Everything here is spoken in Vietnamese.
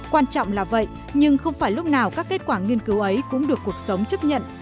quan trọng là vậy nhưng không phải lúc nào các kết quả nghiên cứu ấy cũng được cuộc sống chấp nhận